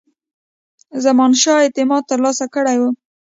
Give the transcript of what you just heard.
زمانشاه اعتماد ترلاسه کړی وو.